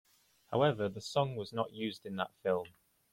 However, the song was not used in that film.